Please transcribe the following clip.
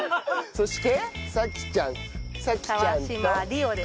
そして。